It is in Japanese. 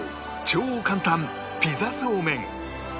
超簡単ピザそうめん